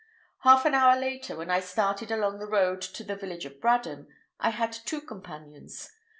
Half an hour later, when I started along the road to the village of Bradham, I had two companions.